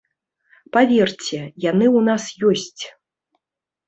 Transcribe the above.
Паверце, яны ў нас ёсць.